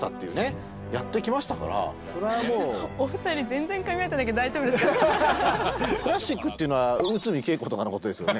お二人クラシックっていうのは内海桂子とかのことですよね？